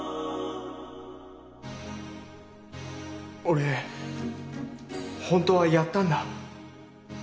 俺本当はやったんだ。